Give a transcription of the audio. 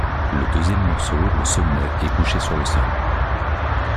Le deuxième morceau, le sommet, est couché sur le sol.